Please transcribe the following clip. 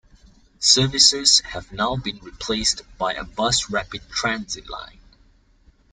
Services have now been replaced by a Bus Rapid Transit Line.